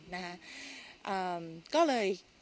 เอ่อนก็เลย